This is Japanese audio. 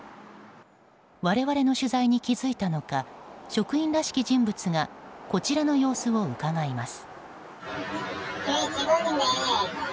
我々の取材に気付いたのか職員らしき人物がこちらの様子をうかがいます。